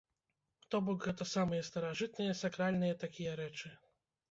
То бок гэта самыя старажытныя сакральныя такія рэчы.